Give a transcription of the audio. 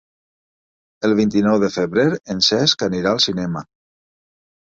El vint-i-nou de febrer en Cesc anirà al cinema.